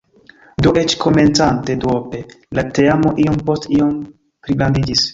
Do, eĉ komencante duope, la teamo iom post iom pligrandiĝis.